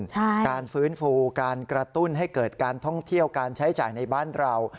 การฟื้นฟูการกระตุ้นให้เกิดการท่องเที่ยวการใช้จ่ายในบ้านเรา